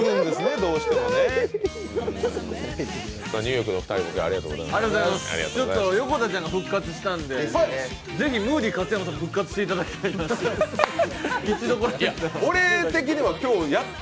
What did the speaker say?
どうしてもね横田ちゃんが復活したんでぜひ、ムーディ勝山さんも復活していただきたいなと。